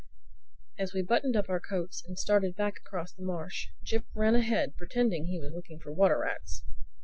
As we buttoned up our coats and started back across the marsh, Jip ran ahead pretending he was looking for water rats.